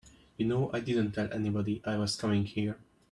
You know I didn't tell anybody I was coming here.